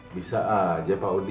bisa aja pak udi